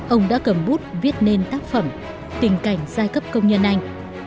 ông đã cầm bút viết nên tác phẩm tình cảnh giai cấp công nhân anh